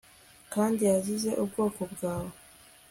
kandi yazize ubwoko bwawe!